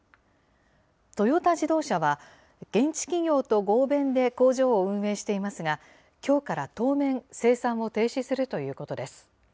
トヨタ自動車は、現地企業と合弁で工場を運営していますが、きょうから当面生産を停止するということです。